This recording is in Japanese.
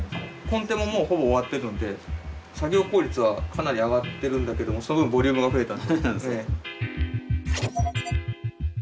コンテももうほぼ終わってるので作業効率はかなり上がってるんだけどもその分ボリュームが増えた。